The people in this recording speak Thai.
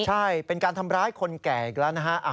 ใช่เป็นการทำร้ายคนแก่อีกแล้วนะฮะ